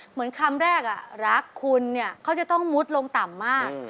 เหมือนคำแรกรักคุณเนี่ยเขาจะต้องมุดลงต่ำมาก